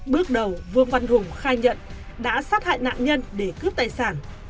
bước đầu vương văn hùng khai nhận đã sát hại nạn nhân để cướp tài sản